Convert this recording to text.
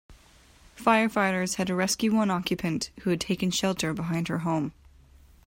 Firefighters had to rescue one occupant who had taken shelter behind her home.